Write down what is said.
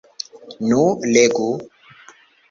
Nu, legu!